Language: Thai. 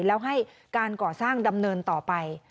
แล้วให้การก่อสร้างดำเนินต่อไป